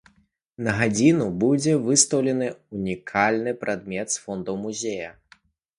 На гадзіну будзе выстаўлены ўнікальны прадмет з фондаў музея.